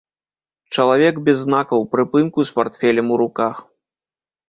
Чалавек без знакаў прыпынку з партфелем у руках.